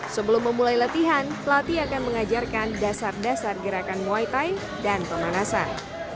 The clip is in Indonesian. sebelum memulai latihan pelatih akan mengajarkan dasar dasar gerakan muay thai dan pemanasan